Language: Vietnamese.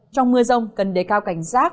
trong mưa rông cần đề cao cảnh giác